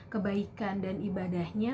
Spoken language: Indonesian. kebaikan dan ibadahnya